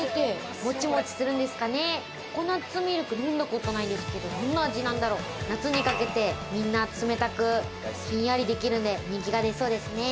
ココナッツミルク飲んだことないんですけれど、どんな味なんだろう？夏にかけてみんな冷たく、ひんやりできるんで人気がありそうですね。